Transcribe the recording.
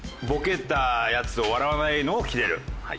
ボケたやつを笑わないのをキレる。